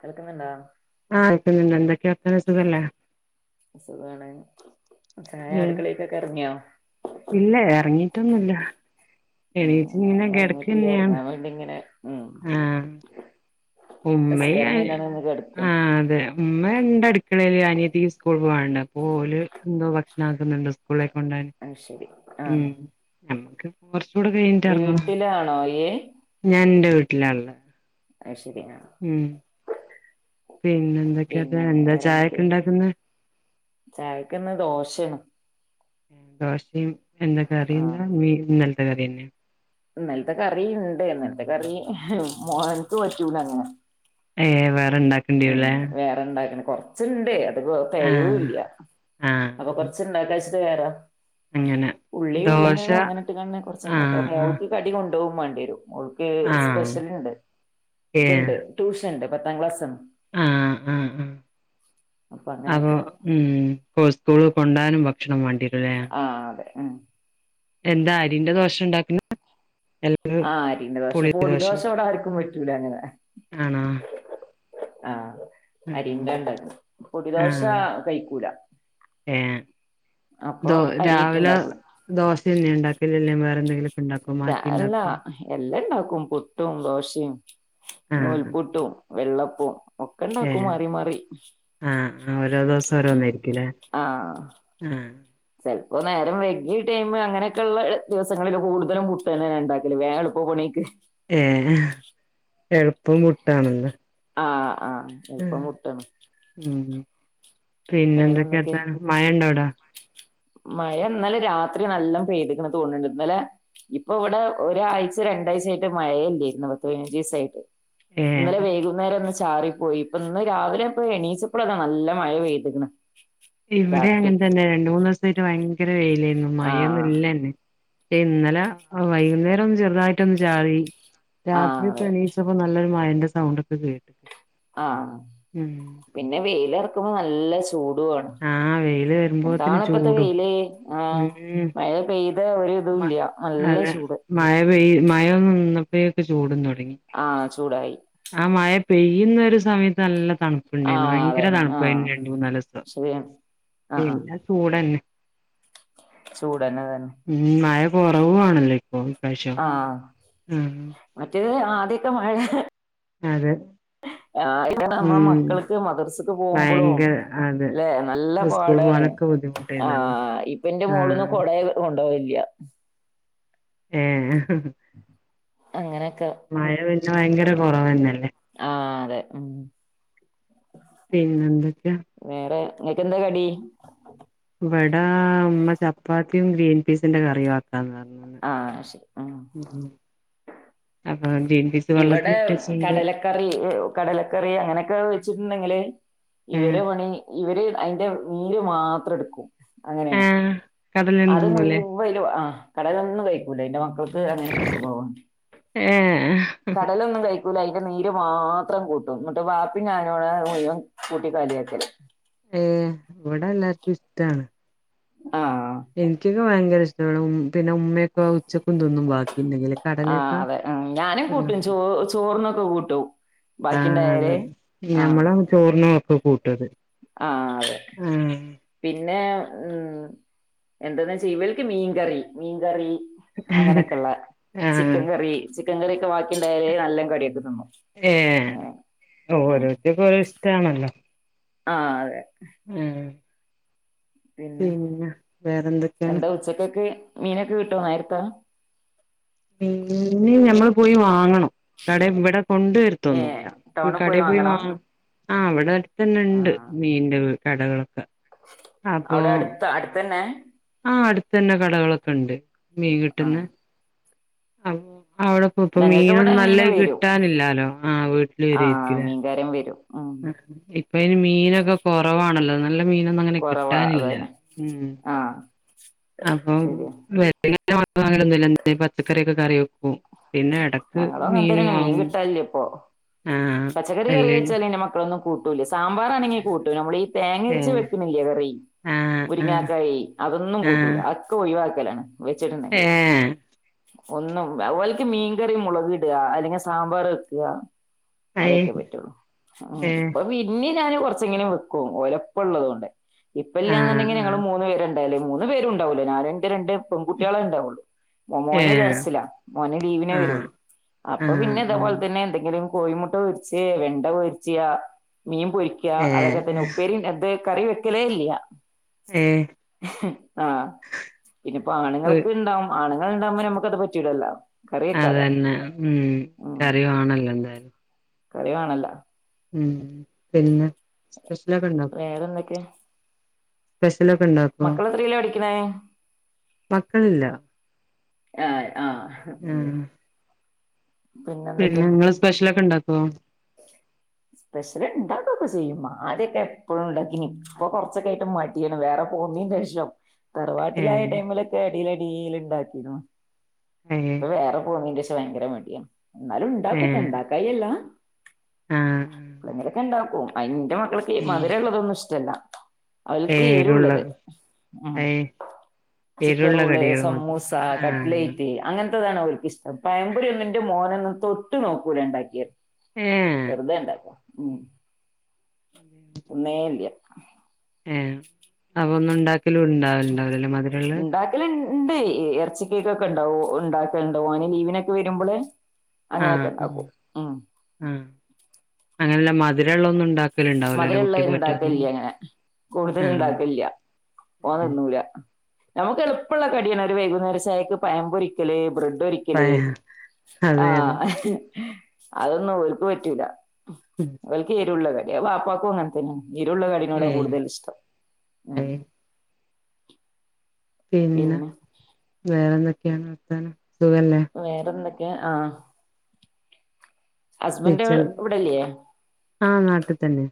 കേൾക്കുന്നുണ്ടോ ആ കേൾക്കുന്നുണ്ട് എന്തൊക്കെയ വർത്താനം സുഖല്ലേ സുഖാണ് ചായ ഉം അടുക്കളേക്കൊക്കെ എറങ്ങിയോ ട്ടൊന്നൂല്യ മ് ഞാനും എറങ്ങിട്ടില്ലേ ഇറങ്ങാൻ വേണ്ടി ഇങ്ങനെ ഉം ആ നിസ്കാരം ഉമ്മേം കഴിഞ്ഞാണ് ഒന്ന് കിടക്കും ആ അതെ ഉമ്മ ഉണ്ട് അട് ക്കളയിൽ അനിയത്തിക്ക് സ്കൂൾ പോകാനുണ്ട് അപ്പോൾ ഓൽ എന്തോ ഭക്ഷണം ആക്ക്ണ്ന്ണ്ട് സ്കൂളിലേ ഉണ്ടോ അത് ശരി ആഹ് മ് നമ്മുക്ക് കുറ കൂടെ കഴിഞ്ഞിട്ട് എറങ്ങണം വീട്ടിലാണോ ഇയ്യ് ഞാൻ എന്റെ വീട്ട് ട്ട്ലാണ്ള്ളെ അത്ശെരിയാണ് മ് പിന്നെ എന്തൊക്കെ പിന്നെ എന്താ ചായക്ക്ണ്ടാക്ക്ന്നേ ചായക്ക്ന്ന് ദോശേണ്. ദോശീമ് എന്തൊക്കെ ആഹ് അറിയന്ത നീ കറിന്നേ ഇന്നലത്തെ കറിണ്ട് ഇന്നലത്തെ കറി മോൻക്ക് പറ്റൂലങ്ങനെ ഏ [unintelligible] ണ്ടാക്കണ്ട്യേരുല്ലേ കൊറച്ച്ണ്ട് അതേയൂല്ല അപ്പ ആഹ് കൊർച്ച്ണ്ടാ വേരാ അങ്ങനെ ഉള്ളീം ദോശ ഉരുളകെയങ്ങും അങ്ങനട്ട്ങ്ങാണ്ട് കൊറച്ചുണ്ടാക്ക ആഹ് ആഹ് മോൾക്ക് കടി കൊ ണ്ടോവും മാണ്ടിയേരും ഓൾക്ക് ആഹ് സ്പെഷ്യല്ണ്ട് ഏഹ് ത്ണ്ട് ട്യൂഷണ്ട്. പത്താക്ലാസ്സ്‌ ആഹ് ആഹ് ആഹ് അപ്പൊ അപോ അങ്ങനൊക്കെ മ് ഉസ്കൂള് കൊണ്ടാനും ക്ഷണം വാണ്ടിയേരൂല്ലേ അതെ ആഹ് എന്താ അരിന്റെ ദോശേണ്ടാക്കല് ആഹ് അരിന്റെ ദോശ പൊടി ദോശവടെ ആര്ക്കും പറ്റൂലങ്ങനെ ആണോ ആഹ് മ് അരിന്റെ ഇണ്ടാക്ക്ണെ പൊടിദോശ ആഹ് കഴിക്കൂല ഏ അപ്പൊ ദോ രാവിലെ അരിയിട്ട്ണ്ടാക്കും ദോശന്നെണ്ടാക്കല് അല്ലേ വേറെന്തെങ്കിലും രാവില എല്ലണ്ടാ പ്പും പുട്ടും ദോശീമ് നൂൽപൂട്ടും വെള്ളം ഓ ഏ ആഹ് ഓരോ ദിവസം ഉം ഓരോന്നായിരിക്കുലേ ആഹ് ആഹ് ചെലപ്പോ നേരം വൈഗി ടൈം അങ്ങനെക്കെള്ള ദിവസങ്ങളില് കൂടുതലും പുട്ട് തന്നെ ഉണ്ടാക്കല്ല് വേ എളുപ്പ പണിക്ക് ഏ എ പുട്ടാണല്ലേ ആ ഉം -ഉം പിന്നെ എന്തൊക്കെയാ വേറെന്തൊക്കെ അത്താഴം മഴ ഉണ്ടോ അവിടെ മഴ ഇന്നലെ രാത്രി നല്ല പെയ്തിക്കണ തോന്നുന്നുണ്ട് ഇന്നലെ ഇപ്പൊ ഇവിടെ ഒരാഴ്ച രണ്ടാഴ്ച ആയിട്ട് മഴേ ഇല്ലായിരരുന്നു പത്ത് പതിനഞ്ച് ദിവസായിട്ട് ഏ ഇന്നലെ വേകുന്നേരം ചാറിപ്പോയി ഇപ്പൊ ഇന്ന് രാവിലെ ഇപ്പോ എണീച്ചപ്പളെ അതാ നല്ല മഴ പെയ്തക്കണ് ഇവിടെ അങ്ങനെ തന്നെ രണ്ട് മൂന്ന് ദിവസ് സായിട്ട് ഭയങ്കര വെയില് ഇല്ലായിരുന്നു ആഹ് മഴയൊന്നും ഇല്ലന്നെ ഇന്നലെ വൈകുന്നേരം ഒന്ന് ചെറുതായിട്ടൊന്ന് ചാറി ആഹ് രാത്രിയൊക്കെ അതെ എണീച്ചപ്പോ നല്ലൊരു മായന്റെ സൗണ്ട് ഒക്കെ കേട്ട് ആ പിന്നെ വെയിലെറക്കുമ്പോ ന ല്ല ച് ചൂടുവാണ് ആഹ് വെയില് വരുമ്പോത്തിന് എന്താണ് ഇപ്പത്തെ ചൂടും വെയില് ആ ഉം മഴ പെയ്ത ഒരു ഇതും ഇല്ല നല്ല ചൂട് മയ ഒന്ന് നിന്നപ്പഴേക്ക് ചൂടും തൊട ആ ചൂടായി പെയ്യുന്ന ഒരു സമയത്ത് നല്ല തണുപ്പുണ്ടായിരുന്നു ആഹ് അതെ ഭയങ്ക ആഹ് തണുപ്പായിരുന്നു രണ്ട് മൂന്നാല് ദിവസം ശരിയാണ് ആഹ് ആഹ് പിന്നെ ചൂടന്നെ ചൂടന്നെ അതന്നെ കുറവു ആണല്ലേ ആ മറ്റേതിന് ആ എത്തീട്ടും മഴ അതെ ആ [unintelligible] നമ്മടെ ഉം മക്കൾക്ക് മദർസക്ക് പോകുമ്പളൂ ഭയങ്കര അതെ അല്ലെ നല്ല സ്കൂൾ പാടാണ് പോകാനൊക്കെ ആ ബുദ്ധിമുട്ടായിരുന്നല്ലോ ഇപ്പ എന്റെ മോളൊന്നും ആഹ് കൊടേ കൊണ്ടുപോവി- യാ ഏഹ് അങ്ങനെയൊക്കെ മഴ വരു ത് ഭയങ്കര കൊറവന്നെ ആ അതെ ഉം പിന്നെന്തൊക്ക്യാ? വേറെ ഇങ്ങക്കെന്താ കടി? ഇവടാ ഉമ്മ ചപ്പാത്തിം ഗ്രീൻ പീസിന്റെ കറിയാ ആഹ് ശെരി ഉം അപ്പൊ ഗ്രീൻ പീസ് ഇവടെ വെള്ളത്തിലിട്ടച്ചണ്ട് കടലക്കറി കടലക്കറി അങ്ങനൊക്കെ വെച്ചി ഇന്നെങ്ങ് ല് ഏഹ് ഇവരെ പണി ഇവര് അയ്ൻ്റെ നീര് മാത്രട്ക്കും. അങ്ങനെണ് ഏഹ് കടലൊന്നും അത് തിന്നൂലേ മുയ്വ്വയ്ല ആഹ് കടൽന്നും കഴിക്കൂല എന്റെ മക്കൾക്ക് അങ്ങ [inaudible] ഏഹ് കടലൊന്നും കഴിക് [unintelligible] അയിന്റെ നീര് മാത്രം കൂട്ടും എന്നിട്ട് വാപ്പി ഞാനോടെ മുയുവൻ കൂട്ടി കലിയക്കല് ഏഹ് ഇവിടെ എല്ലാർക്കും ഇഷ്ടാണ് ആഹ് എനിക്കൊക്കെ ഭയങ്കര ഇഷ് [unintelligible] പിന്നെ ഉമ്മയൊക്കെ ഉച്ചക്കുംന്തതിന്നും ബാക്കിണ്ടെങ്കില് ആഹ് കടലൊക്കാ അതെ ആഹ് ക്ക്കൂട്ടോ ആന്നു ഞമ്മള് [unintelligible] ഒക്കെ കൂട്ടത് ആഹ് അതെ പി ആഹ് പിന്നെ ഉം എന്തെന്ന് ചാ ഇവലക്ക് മീൻകറി മീൻകറി അങ്ങനൊക്കെയുള്ള ആഹ് ചിക്കൻ കറി ചി [unintelligible] കറിയൊകെ ബാക്കി ഉണ്ടായാലേ നല്ല [unintelligible] തിന്നു ഏയ് ഓരോരുത്തക്കും ഓരോ ഇഷ്ടണല്ലോ ആഹ് അതെ പിന്നെ വേറെന്തൊക്കെയാണ് എന്താ ഉച്ചക്കൊക്കെ മീനൊക്കെ കിട്ടുവോ നേരത്താ പിന്നീ ഞമ്മള് പോയി വാങ്ങണം കട ഇവിടെ ഏഹ് കൊണ്ടുവരുത്തൊന്നുവില്ല ടൗണിൽ കടെ പോയി വാങ്ങണോ വാങ്ങണം ആഹ് അവിടെ തന്നെ ണ്ട് ആഹ് മീന്റെ വി കടകളും അവിടെ അടുത്ത്‌ അടുത്തന്നെ തന്നെ കടകളൊക്കെ ഉണ്ട് മീൻ കിട്ടന്ന് ആഹ് ആ അവിടെ പോ ഇപ്പ ഞങ്ങൾക്ക് ഇവിടെ മീനൊന്നും നല്ല മീന് വരും കിട്ടാനില്ലാലോ ആഹ വീട്ടില് ആഹ് വരുവരിക്കുലെ മീൻകാരൻ വരും ഉം ഇപ്പൊ ഇതിന് മീനൊക്കെ കുറവാണല്ലോ നല്ല മീനൊന്നും അങ്ങനെ കൊറവാ കിട്ടാനില്ല അതന്നെ ആഹ് അപ്പൊ ശരിയാ ങ്ങന ഒന്നുമ പച്ചക്കറിയൊക്കെ കറി വെക്കും പിന്നെ ഇടക്ക് ഞങ്ങളും അങ്ങൻ മീൻ തന്നെയാണ് വാങ്ങും കിട്ടാനില്ല ഇപ്പൊ ആഹ് പച്ചക്കറി കറി അല്ലേ വെച്ചാലന്ന മക്ക ളോന്നും കൂട്ടുല്ല സാമ്പാർ ആണെങ്കിൽ കൂട്ടൂ നമ്മഈ തേങ്ങരിച്ച ഏഹ് വെക്കുന്നില്ല കറി ആഹ് ആഹ് മുരിങ്ങാക്കായി അതൊന്നും കൂട്ടൂല്ല ആഹ് അതക്കെ ഒഴിവാക്കി ലാണ് വെച്ചിട്ടുണ്ടെങ്കില് ഏഹ് ഒന്നുംല മീൻകറി മുളക് ഇടുക അല്ലെങ്കിൽ സാമ്പാർ വെക്കുക അയ് അതൊക്കെ പറ്റുള്ളൂ ഏഹ് ഇപ്പൊ പിന്ന ഞാൻ കുറച്ചെങ്കിലും വെക്കും ഒലപ്പമ ഉള്ളത കൊണ്ട് ഇപ്പ ആഹ് ഇല്ലന്നുണ്ടെങ്കിൽ ആഹ് ഞങ്ങള് മൂന്ന് പേരുണ്ട് ഉണ്ടാലേ മൂന്ന് പേരു ഉണ്ടാവല്ലോ നാലന്റെ രണ്ട് പെൺകുട്ടികളെ ഉണ്ടാവുള്ളു മ മോനെ ഏഹ് തർസില ലീവിനെ നെ ആഹ് വരുള്ളൂ അപ്പ ആഹ് പിന്നെ ആഹ് ഇതേപലെ തെ എന്തെലും കോഴിമുട്ട വെടിച്ച് വെണ്ട വെടിച്ചെയ മീൻ പൊരിക്കുക അതൊക്കെ തന്നെ ഏഹ് ഉപ്പേരി എന്ത് കറി വെക്കലേ ഇല്ലയ ഏഹ് ആഹ പിന്നെപ്പോ ഒയ് ആണുങ്ങളൊക്കെ ഉണ്ടാവും ആണുങ്ങ ഉണ്ടാകുമ്പോൾ നമുക്കത് പറ്റുലല്ലോ അതന്നെ ഉം ഉം കറിവാണല്ലോ എന്തായാലും കറി വണല്ല ഉ പിന്നെ സ്പെഷ്യലൊക്കെ ഇണ്ട വേറെന്തൊക്കെ സ്പേസ ലൊക്കെ ഉണ്ടാക്കും ഇവേ മക്കളില്ല യാഎ ആഹ് ആഹ് പിന്നെ പിന്നെന്തൊക്കെ നിങ്ങള് സ്പെഷ്യലൊക്കെ ഉണ്ടാക്കുവോ സ്പെഷ്യല് ഇണ്ടാക്കൊക്കെ ചെയ്യും ആദ്യ ഇല്ല എപ്പോഴും ഇല്ല ഇനി ഇപ്പൊ കൊറച്ചൊക്കെ ആയിട്ട് മടിയാണ് വേറെ പോന്നീനേഷം. ഏഹ് തറവാട്ടിലായടേമിലൊക്കെ അടിയിലടിൽ ഇണ്ടാക്കിരുന്നു ഏഹ് ഇപ്പൊ വേറെ പോന്നീന് ഭയങ്കര മടിയ എന്നാലും ഉണ്ടാക്കൂട്ട ഏഹ് ഉണ്ടാക്കായി അല്ല ആഹ് ഉം പളങ്ങൊക്കെ ഉണ്ടാക്കോ അയി പിന്നെ മക്കൾക്ക് ഈ മധുരള്ളതൊന്നും ഇഷ്ടമല്ല ഏഹ് എരുള്ള അവൽക്കിരുള്ളത് മ് ഏഹ് ചിക്കൻ എരുള്ള റോള് കടികള് മാത്രം സമൂസ ആഹ് കട്ലേറ്റ് അങ്ങനത്തെ താണ് അവർക്ക്ഷ്ടം പയംമ്പുരി ഒന്നിന്റെ മോനൊന്നും തൊട്ടു നോക്കൂല ഉണ്ടാക്കിയത്. ഏഹ് വെറുതെ ഇണ്ടാക്ക മ് ഒന്നേല്ലയ ഏ അവന്നുണ്ടാ ഒരിക്കലും ഉണ്ടാണ്ടാവില്ല മധുരുള്ളത് ഉണ്ട് ഇറച്ചിക്കേക്കൊക്കെ ഉണ്ടാവും ഉണ്ടാക്ക ഉണ്ടാവും അനെ ലീവിനൊക്കെ വരുമ്പോള ആ ആ അങ്ങനെല്ല മധ് ധുരമുള്ളതൊന്നുണ്ടാക്ക് മധുരുള്ളത്ണ്ടാക്കലില്ല അങ്ങനെ കൂടുതൽ ആഹ് ഇണ്ടാക്കലില്ല്യ ഏഹ് ഓൻതിന്നൂല്ല. നമുക്ക് എളുപ്പുള്ള കടിയണ് ഒരു വൈകുന്നേരം ചയക്ക് പയം പൊരിക്കല് ബ്രഡ് ഒരിക്കല് പഴ ആ അതെ അതെ അതൊന്നും ഒരുക്ക് പറ്റുല വൽക്കി ള്ളത് എ വാപ്പാക്കു അങ്ങനെ തന്നെ നീരുള്ള കടിനോട ഏഹ് കൂടുതൽ ഇഷ്ടം ഉം ഏഹ് പിന്നെ വേറെന്ന [unintelligible] വേറെന്തൊ ക്കെ ആഹ് ഹസ്ബൻഡ് [unintelligible] ഇവിടെല്ലേ ആഹ് നാട്ടിൽ തന്നെ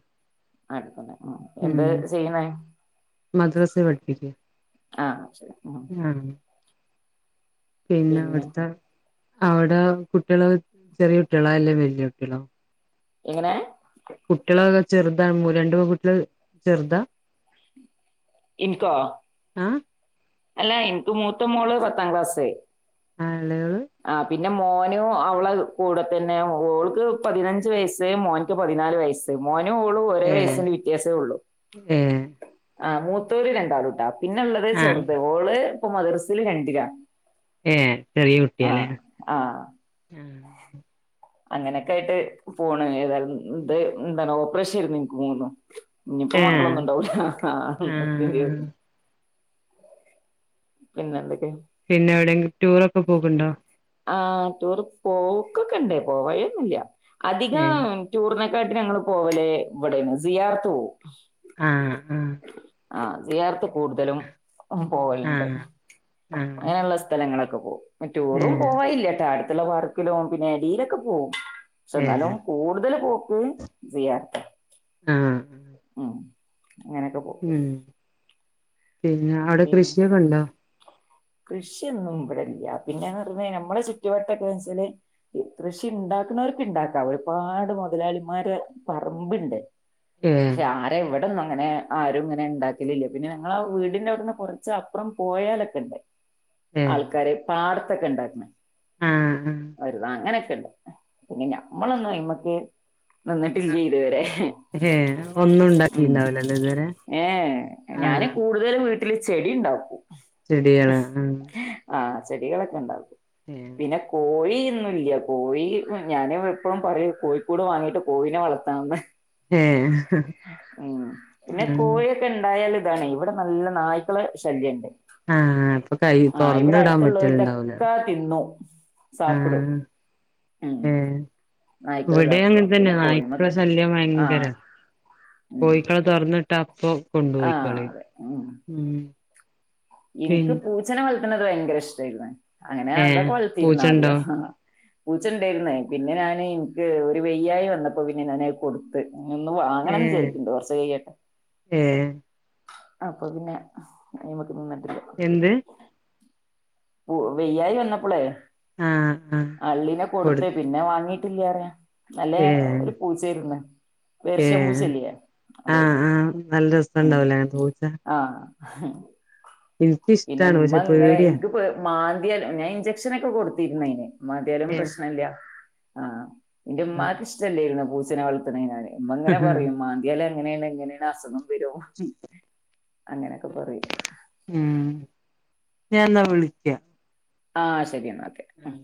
[unintelligible] ഉം എന്ത് ചെയ്യണേ മദ്രാസ പഠിപ്പിക്കും ആഹ് ശ ആഹ് പിന്നെ അവിട്ത്തെ അവിടെ കുട്ട്യാള് ചെറിയ കുട്ട്യാളാ അല്ലേ വല്ല്യ കുട്ട്യാളോ എങ്ങനെ കുട്ട്യാള് അ ചെറുതാ രണ്ടു പെൺകുട്ട്യാള് ചെറുതാ. ഇൻകോ ആ അല്ല എനിക്ക് മൂത്ത മോള് പത്താം ക്ലാസ്‌ ആഹ് ഇളയോൾ പിന്നെ മോനും അവള കൂടെ തന്നെ ഓൾക്ക് പതിനഞ്ച് വയസ് മോൻക്ക് പതിനാല് വയസ് മോൻ നോ ഓളും ഓരേ ഏ വയസ്സിന്റെ വ്യത്യാസേള്ളു ഏ ആ മൂത്തോര് രണ്ടാളുട്ടോ പിന്നൊള്ളത് ആ ചെറുത് ഓള് ഇപ്പൊ മദ്രസിയില് രണ്ടില എ ചെറിയ കുട്ടിയാല്ലേ ആ അങ്ങനക്കായിട്ട് പോണ് ഏതാലും ന്തേ എന്താണാവോ [unintelligible] ഇനിയിപ്പോ ഏ മക്കളൊന്നും ഉണ്ടാവില്ല അ ആ അ അ [unintelligible] പിന്നെന്ത് പിന്നെവിടെങ്കിലും ടൂറൊക്കെ പോകണ്ടോ ആ ടൂർ പോക്കൊക്കെണ്ടേ പോയോന്നില്ല ഏ അധികം ടൂർനൊ [unintelligible] ഞങ്ങള് പോവല് ഇവിടെയാണ് സിയാർത്ത് പോവും ആ അ ആ സിയാറത്തു കൂടുതലും ഉം ആ പോവലുണ്ട് ആ അങ്ങനുള്ള സ്ഥലങ്ങളൊക്കെ പോകും ഏ ടൂറും പോവായില്ല്യ ടാ ഇല്ല വർക്കില് പോവും പിന്നെ എടെലൊക്കെ പോവും. പഷേ ഏ എന്നാലും കൂടുതല് പോ [unintelligible] ആഹ് ഉം അങ്ങനെയൊക്കെ പോകും. പിന്നെ അവിടെ പിന്നെ കൃഷിയൊക്കെ ഉണ്ടോ? കൃഷിയൊന്നും ഇവിടെഇല്ല പിന്നെന്ന് പറയുമ്പയെ നമ്മടെ ചുറ്റുുവട്ടൊക്കെ വച്ചെല് കൃഷി ഉണ്ടാക്കുന്നവർക്ക് ഇണ്ടാക്കാം ഒരുപാട് മുതലാളിമാര് പറമ്പ്ണ്ട്. ഏ പക്ഷെ ആരാ ഇവിട അങ്ങനെ ആരും ഇങ്ങനെ ഉണ്ടാക്കലില്ല പിന്നെ ഞങ്ങടെ വീടിന്റെ അവിടുന്നു കുറച്ചപ്പുറം പോയാലൊക്കെണ്ട്. ഏ ആൾക്കാരെ പാർ കൊക്ക്ണ്ടാരുന്നു ആഹ് ഒരു അങ്ങനെ ഇല്ല പിന്നെ നമ്മളൊന്നു അയ്മ്മക്ക് നിന്നിട്ടില്ലേ ഇതുവരെ ആഹ് ഏ ഒന്നും ഉം ഉണ്ടാക്കിണ്ടാവില്ലല്ലോ ഇതുവരെ ഏഹ് ഞാന് കൂടുതൽ വീ ത്ൾ ചെടി ഉണ്ടാക്കു. ചെടിയാണ് ആഹ് ചെടികളൊക്കെ ഉണ്ടാക്കും. ഏ പിന്നെ കോഴി ഴി ഒന്നുംഇല്ല കോഴി ഞാന് ഇവ എപ്പഴും പറയുംകോഴിക്കൂട് വാങ്ങീട്ട് കോഴിനെ വളർത്താന്ന്. ഏ ഉം പിന്നെ ആഹ് കോഴിയൊക്കെ ഇണ്ടായാലും താണേ ഇവിടെ നല്ല നായ്ക്കള ശല്യെണ്ട്. ആഹ് അപ്പൊ കൈ തൊറന്നു വിടാൻ പറ്റലുണ്ടാവൂലാല്ലോ. അടുത്തുള്ളവരുടെയൊക്കെ തിന്നു സാപ്പിടും ആഹ് ഉം ഏഹ് നായ്ക്കള് ഇവിടേം സാപ്പിടും അങ്ങനെ അപ്പൊ തന്നെയ പിന്നെ നായ്ക്കടെ കോഴിമക്ക് ശല്യം ആ ഭയങ്കരാ. ഉം കോഴിക്കളെ തൊറന്ന് വി ട്ടപ്പൊ ആ കൊണ്ടുപോയിക്കളയും അതെ ഉം ഉം. എനിക്ക് പിന്നെ പൂച്ചനെ വ ളത്തുന്നത് ഭയങ്കര ഇഷ്ട്ടേയിരുന്ന്. അങ്ങനെ ഏ അതൊക്കെ വളർത്തിയിരുന്ന് പൂച്ചണ്ടോ ആദ്യം. പൂച്ചെണ്ടായിരുന്ന്. പിന്നെ ഞാന് എനിക്ക് ഒരു വെയ്യായ്ക വന്നപ്പോ പിന്നെ ഞാൻ അത് കൊടുത്ത്. ഒന്ന് ഏ വാങ്ങണന്ന് വിചാരി‌ക്കിണ്ട്. കൊറച്ച് കഴിയട്ടെ. ഏ അപ്പൊ പിന്നെ ഇവിടെ നിന്നട്ട് എന്ത്? വു വയ്യായി വന്നപ്പളേ ആഹ് ആഹ് അള്ളിനെ കൊടു കൊടുത്ത് പിന്നെ വാങ്ങി ത്തില്ലാറയാ നല്ല ഒരു പൂച്ചേരുന്നു. ഏഹ് ആഹ് അതായിരുന്നു ആഹ് നല്ല രസവുണ്ടാവല്ലേ പൂച്ച ആഹ് പിന്നെ എനിക്കിഷ്ടാണ് ഇമ്മ പക്ഷെ ഇങ്ങനെ പേടിയാ എനിക്ക് മ [unintelligible] ഞാൻ ഇൻജെക്ഷനെക്കെ കൊടുത്തിരുന്ന് അയിന് മാന്തിയാലും ഏഹ് പ്രശ്ന ഇല്ല ആഹ് എന്റെ ഉമ്മാക്ക് ഇഷ്ടല്ലാരുന്നു പൂ ച്ചനെ വളർത്തണെ ഞാന് ഉമ്മ ങ്ങനെ ആഹ് പറയും മാന്തിയാല് അങ്ങനെയാണ് ഇങ്ങനെയാണ് അസുഖം വരും അങ്ങനെയൊക്കെ പറയും ഉം ഞാൻ എന്നാ വിളിക്കാം ആഹ് ശെരി എന്നാ ഓക്കേ ഉം